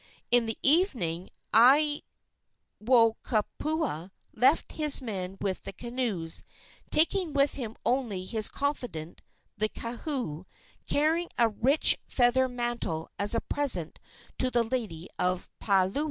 In the evening Aiwohikupua left his men with the canoes, taking with him only his confidant, the kahu, carrying a rich feather mantle as a present to the lady of Paliuli.